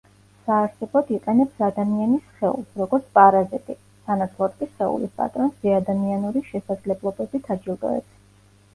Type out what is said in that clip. საარსებოდ იყენებს ადამიანის სხეულს, როგორც პარაზიტი, სანაცვლოდ კი სხეულის პატრონს ზეადამიანური შესაძლებლობებით აჯილდოებს.